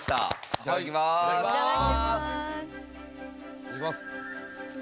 いただきます！